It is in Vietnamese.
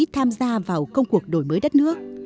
tham gia vào công cuộc đổi mới đất nước